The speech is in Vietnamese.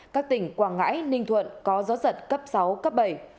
các tỉnh quảng ngãi ninh thuận có gió giật cấp sáu cấp bảy